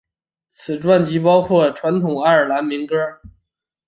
此专辑包括传统爱尔兰民歌。